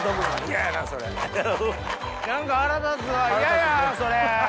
嫌やそれ！